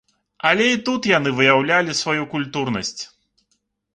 Але і тут яны выяўлялі сваю культурнасць.